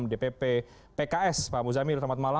dpp pks pak muzamil selamat malam